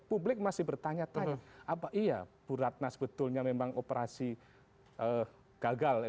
publik masih bertanya tanya apa iya bu ratna sebetulnya memang operasi gagal